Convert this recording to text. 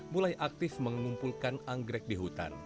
mulai aktif mengumpulkan anggrek di hutan